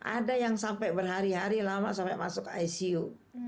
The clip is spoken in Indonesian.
ada yang sampai berhari hari lama sampai masuk icu